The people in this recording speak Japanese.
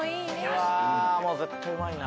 うわもう絶対うまいな。